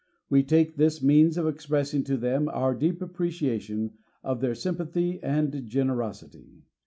We take this means of expressing to them our deep appreciation of their sympathy and generosity.